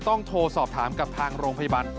ต้องโทรสอบถามกับทางโรงพยาบาล